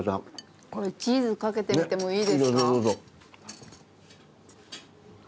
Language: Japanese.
これチーズ掛けてみてもいいですか？